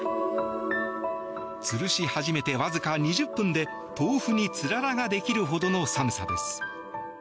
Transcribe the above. つるし始めてわずか２０分で豆腐につららができるほどの寒さです。